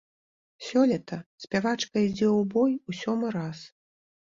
Сёлета спявачка ідзе ў бой у сёмы раз.